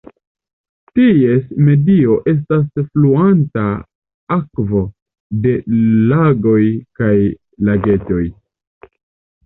Ties medio estas fluanta akvo de lagoj kaj lagetoj.